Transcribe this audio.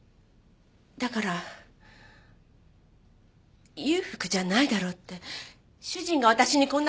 だから裕福じゃないだろうって主人が私にこんな事を。